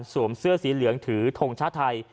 เสื้อสีเหลืองถือทงชาติไทย